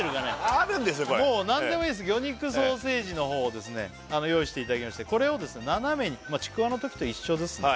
あるんですよこれもう何でもいいです魚肉ソーセージのほうを用意していただきましてこれを斜めにちくわのときと一緒ですね